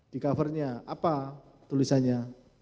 di covernya apa tulisannya